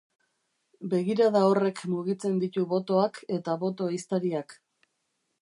Begirada horrek mugitzen ditu botoak eta boto-ehiztariak.